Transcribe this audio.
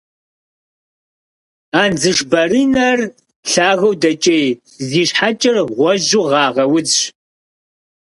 Андзышбаринэр лъагэу дэкӏей, зи щхьэкӏэр гъуэжьу гъагъэ удзщ.